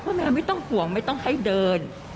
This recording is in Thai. แมวไม่ต้องห่วงไม่ต้องให้เดิน